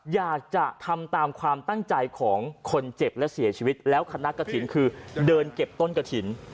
อยากจะทำตามความตั้งใจของคนเจ็บและเสียชีวิตแล้วคณะกระถิ่นคือเดินเก็บต้นกระถิ่น